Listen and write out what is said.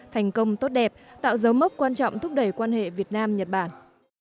thành công tốt đẹp tạo dấu mốc quan trọng thúc đẩy quan hệ việt nam nhật bản